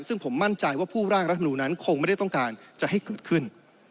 ซึ่งผมมั่นใจว่าผู้ร่างรัฐมนูลนั้นคงไม่ได้ต้องการจะให้เกิดขึ้น